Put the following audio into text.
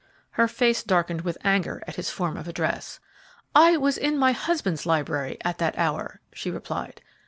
Her face darkened with anger at his form of address. "I was in my husband's library at that hour," she replied.